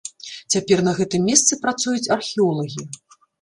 Цяпер на гэтым месцы працуюць археолагі.